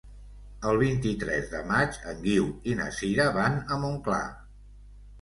El vint-i-tres de maig en Guiu i na Sira van a Montclar.